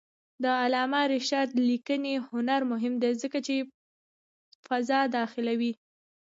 د علامه رشاد لیکنی هنر مهم دی ځکه چې فضا داخلوي.